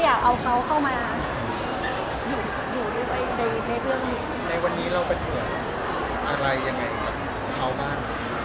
หนัววันนี้เราเป็นเหมาะไรยังไงเหล่าบ้าน